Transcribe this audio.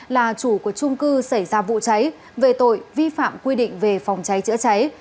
là chủ của trung cư xảy ra vụ cháy về tội vi phạm quy định về phòng cháy chữa cháy